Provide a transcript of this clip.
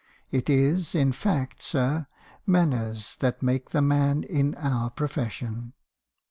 It is, in fact, sir, manners that make the man in our profession.